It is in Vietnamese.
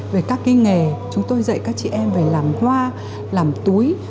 về các cái nghề chúng tôi dạy các chị em về làm hoa làm túi